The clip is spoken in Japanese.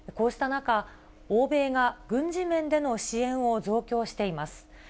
こうした中、欧米が軍事面での支援を増強しています。